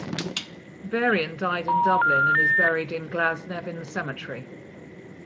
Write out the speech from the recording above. Varian died in Dublin and is buried in Glasnevin Cemetery.